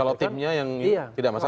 kalau timnya yang tidak masalah